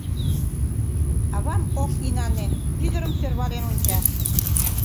Авам ок инане, ӱдырым сӧрвален онча.